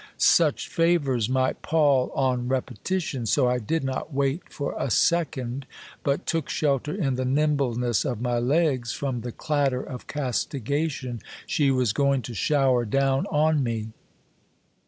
Such favours might pall on repetition ; so I did not wait for a second, but took shelter in the nimbleness of my legs from the clatter of castigation she was going to shower down on me.